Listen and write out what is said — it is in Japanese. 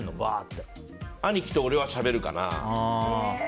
兄貴と俺はしゃべるかな。